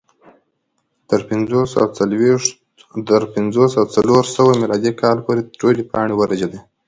تر پنځوس او څلور سوه میلادي کاله پورې ټولې پاڼې ورژېدې